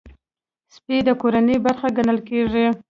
سپي د کورنۍ برخه ګڼل کېږي.